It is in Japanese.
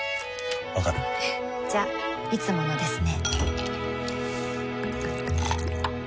わかる？じゃいつものですね